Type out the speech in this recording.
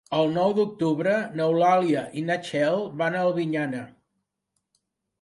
El nou d'octubre n'Eulàlia i na Txell van a Albinyana.